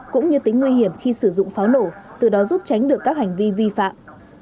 cũng như tính nguy hiểm khi sử dụng pháo nổ từ đó giúp tránh được các hành vi vi phạm